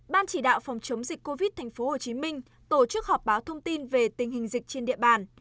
ban chỉ đạo phòng chống dịch covid tp hcm tổ chức họp báo thông tin về tình hình dịch trên địa bàn